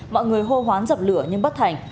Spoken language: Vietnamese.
mọi người hô hoán dập lửa nhưng bất thành